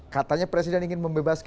katanya presiden ingin diberi pahala